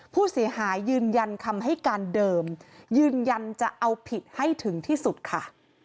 ผู้เสียหายยืนยันคำให้การเดิมยืนยันจะเอาผิดให้ถึงที่สุดค่ะ